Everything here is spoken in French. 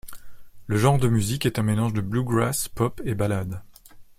Le genre de musique est un mélange de bluegrass, pop et ballade.